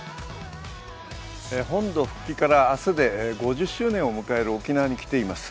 本土復帰から明日で５０周年を迎える沖縄に来ています。